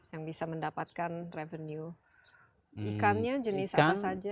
yang bisa mendapatkan revenue ikannya jenis apa saja